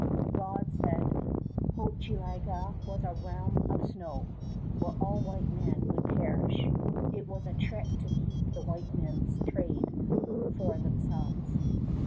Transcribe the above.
The god said Hochelaga was a realm of snow, where all white men would perish. It was a trick to keep the white men's trade for themselves.